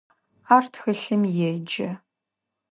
Ар тхылъым еджэ.